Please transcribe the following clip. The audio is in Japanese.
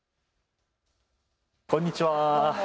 こんにちは。